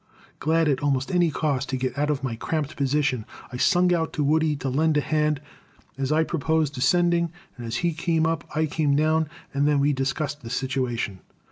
Glad at almost any cost to get out of my cramped position I sung out to Woody to lend a hand, as I proposed descending, and as he came up I came down, and then we discussed the situation.